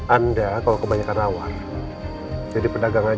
anda kalau kebanyakan awal jadi pedagang aja